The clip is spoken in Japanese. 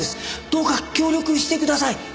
どうか協力してください。